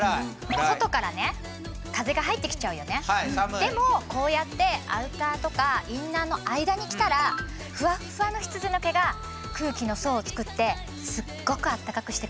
でもこうやってアウターとかインナーの間に着たらフワッフワの羊の毛が空気の層を作ってすっごくあったかくしてくれるの。